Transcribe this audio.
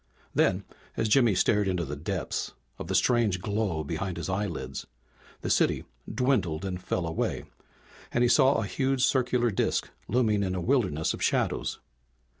Then as Jimmy stared into the depths of the strange glow behind his eyelids the city dwindled and fell away, and he saw a huge circular disk looming in a wilderness of shadows.